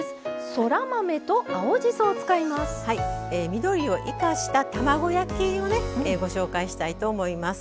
緑を生かした卵焼きをねご紹介したいと思います。